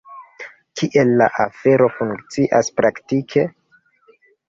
Kiel la afero funkcias praktike?